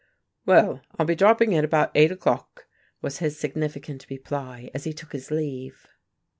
"Well, I'll be dropping in about eight o'clock," was his significant reply, as he took his leave.